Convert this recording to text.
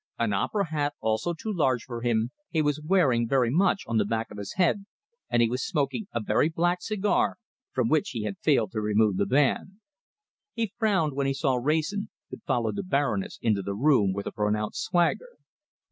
An opera hat, also too large for him, he was wearing very much on the back of his head, and he was smoking a very black cigar, from which he had failed to remove the band. He frowned when he saw Wrayson, but followed the Baroness into the room with a pronounced swagger.